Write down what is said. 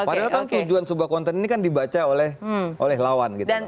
padahal kan tujuan sebuah konten ini kan dibaca oleh lawan gitu loh